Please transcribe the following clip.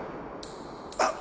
あっ。